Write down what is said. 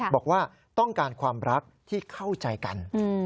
บอกว่าต้องการความรักที่เข้าใจกัน